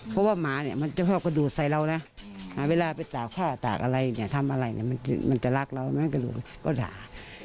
เพราะว่าหมาเนี่ยเขาก็ดูดใส่เรานะแต่เวลาไปต่าข้าตากอะไรเนี่ยทำอะไรเนี่ยมันจะรักเรามันก็ดูดก็ด่า